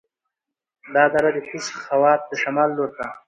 دا دره د کوز خوات د شمال لور ته